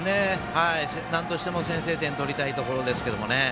なんとしても先制点取りたいところですけどね。